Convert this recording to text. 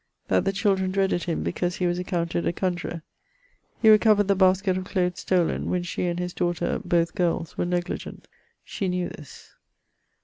That the children dreaded him because he was accounted a conjurer. He recovered the basket of cloathes stollen, when she and his daughter (both girles) were negligent: she knew this.